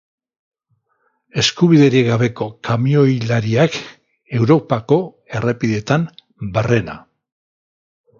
Eskubiderik gabeko kamioilariak Europako errepideetan barrena.